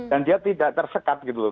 dan dia tidak tersekat gitu loh